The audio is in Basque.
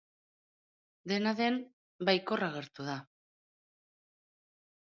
Dena den, baikor agertu da.